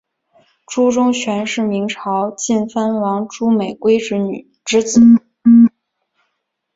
朱钟铉是明朝晋藩王朱美圭之子。